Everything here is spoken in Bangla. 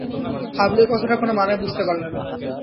হাবলু এ কথাটার কোনো মানে বুঝতে পারলে না।